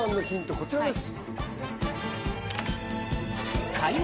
こちらです